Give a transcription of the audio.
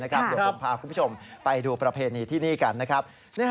เดี๋ยวผมพาคุณผู้ชมไปดูประเพณีที่นี่กันนะครับ